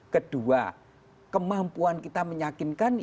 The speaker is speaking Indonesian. kedua kemampuan kita menyakinkan